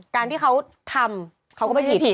การที่เขาทำเขาก็ไม่ผิด